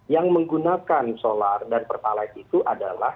yang menggunakan solar dan pertalite itu adalah